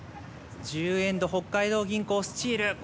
１０エンド北海道銀行スチール。